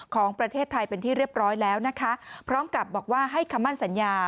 ของประเทศไทยเป็นที่เรียบร้อยแล้วนะคะพร้อมกับบอกว่าให้คำมั่นสัญญา